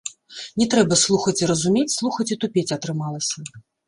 Не трэба слухаць і разумець, слухаць і тупець атрымалася.